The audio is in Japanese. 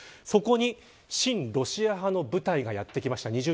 そこに親ロシア派の部隊がやってきました。